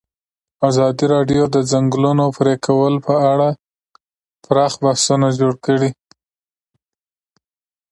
ازادي راډیو د د ځنګلونو پرېکول په اړه پراخ بحثونه جوړ کړي.